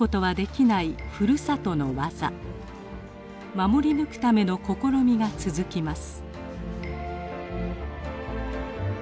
守り抜くための試みが続きます。